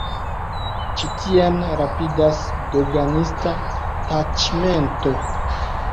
Ĉi tien rapidas doganista taĉmento.